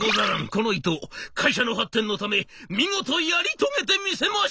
この伊藤会社の発展のため見事やり遂げて見せましょうぞ！」。